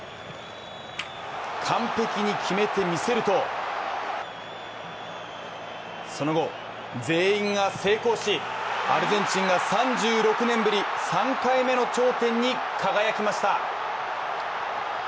完璧に決めてみせるとその後、全員が成功し、アルゼンチンが３６年ぶり３回目の頂点に輝きました。